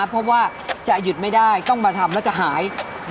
เพราะว่าจะหยุดไม่ได้ต้องมาทำแล้วจะหาย